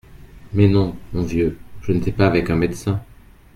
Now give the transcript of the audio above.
Mais non, mon vieux, je n’étais pas avec un médecin.